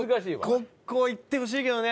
でもここいってほしいけどね